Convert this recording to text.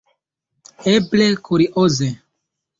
Eble kurioze!